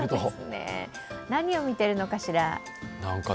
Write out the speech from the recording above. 何を見ているのかしら？